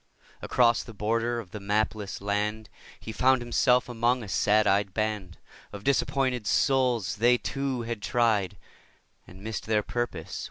Across the border of the mapless land He found himself among a sad eyed band Of disappointed souls; they, too, had tried And missed their purpose.